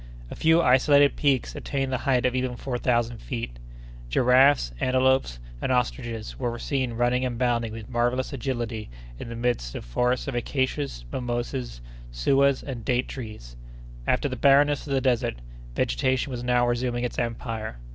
A few isolated peaks attained the height of even four thousand feet. Giraffes, antelopes, and ostriches were seen running and bounding with marvellous agility in the midst of forests of acacias, mimosas, souahs, and date trees. After the barrenness of the desert, vegetation was now resuming its empire.